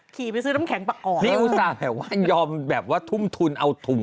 ขี่ไปซื้อน้ำแข็งประกอบนี่อุตส่าห์แบบว่ายอมแบบว่าทุ่มทุนเอาถุง